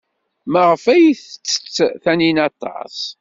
Maɣef ay tettess Taninna aṭas?